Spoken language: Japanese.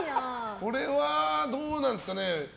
これは、どうなんですかね。